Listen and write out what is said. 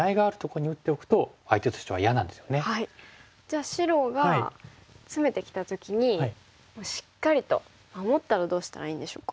じゃあ白がツメてきた時にしっかりと守ったらどうしたらいいんでしょうか。